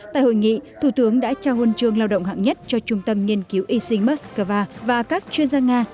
tại hội nghị thủ tướng đã trao huân chương lao động hạng nhất cho trung tâm nghiên cứu y sinh moscow và các chuyên gia nga